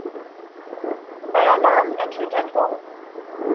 Bei Alarm ertönt ein Gong.